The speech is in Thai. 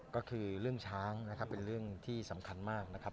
ก็คือเรื่องช้างนะครับเป็นเรื่องที่สำคัญมากนะครับ